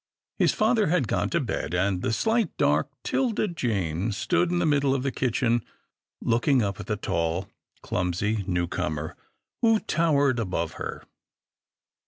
His father had gone to bed, and the sHght, dark 'Tilda Jane stood in the middle of the kitchen, looking up at the tall, clumsy newcomer, who towered above her.